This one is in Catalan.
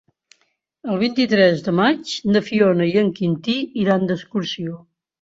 El vint-i-tres de maig na Fiona i en Quintí iran d'excursió.